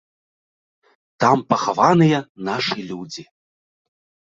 Там пахаваныя нашы людзі.